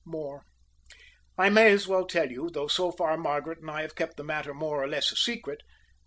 "More. I may as well tell you, though so far Margaret and I have kept the matter more or less a secret.